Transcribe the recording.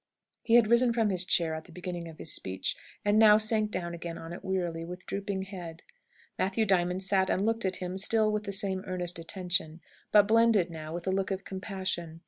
He had risen from his chair at the beginning of his speech, and now sank down again on it wearily, with drooping head. Matthew Diamond sat and looked at him still with the same earnest attention; but blended, now, with a look of compassion.